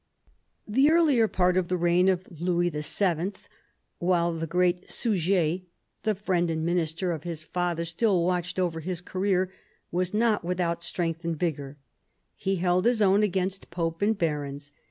The earlier part of the reign of Louis VII., while the great Suger, the friend and minister of his father, still watched over his career, was not without strength and vigour. He held his own against pope and barons.